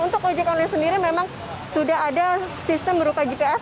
untuk ojek online sendiri memang sudah ada sistem berupa gps